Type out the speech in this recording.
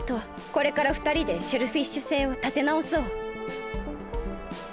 これからふたりでシェルフィッシュ星をたてなおそう。